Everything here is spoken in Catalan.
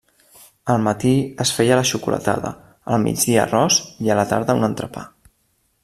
Al matí es feia la xocolatada, al migdia arròs i a la tarda un entrepà.